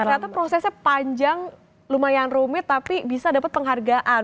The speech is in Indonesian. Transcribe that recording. ternyata prosesnya panjang lumayan rumit tapi bisa dapat penghargaan